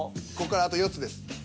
ここからあと４つです。